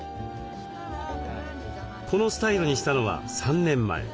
このスタイルにしたのは３年前。